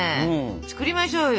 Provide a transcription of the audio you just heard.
作りましょうよ。